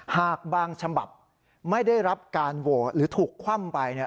หากบางฉบับไม่ได้รับการโหวตหรือถูกคว่ำไป